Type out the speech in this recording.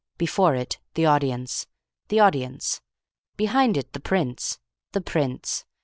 Before it, the audience. The audience. Behind it, the Prince. The Prince.